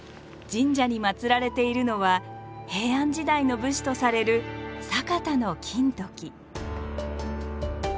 神社にまつられているのは平安時代の武士とされる坂田公時。